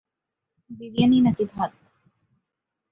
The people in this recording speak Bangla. বিরিয়ানি নাকি ভাত?